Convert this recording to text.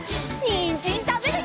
にんじんたべるよ！